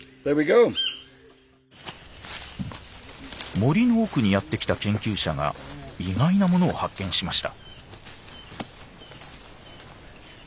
森の奥にやって来た研究者が意外なものを発見しました。